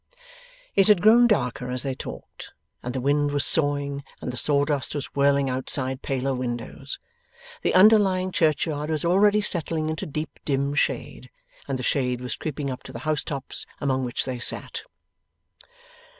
It had grown darker as they talked, and the wind was sawing and the sawdust was whirling outside paler windows. The underlying churchyard was already settling into deep dim shade, and the shade was creeping up to the housetops among which they sat.